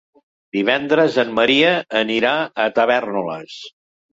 Divendres en Maria anirà a Tavèrnoles.